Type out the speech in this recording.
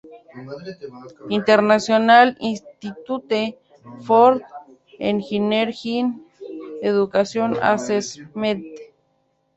International Institute for Engineering Education Assessment.